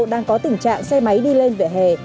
đang có tình trạng xe máy đi lên vỉa hè